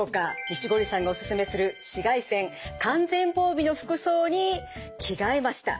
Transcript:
錦織さんがおすすめする紫外線完全防備の服装に着替えました。